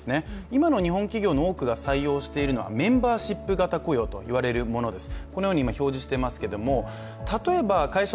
今の日本企業の多くが起用しているのはメンバーシップ型というものです。